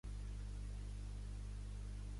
Adoptar un animal és un acte d'amor i responsabilitat.